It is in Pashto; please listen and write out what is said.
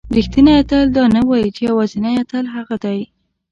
رښتینی اتل دا نه وایي چې یوازینی اتل هغه دی.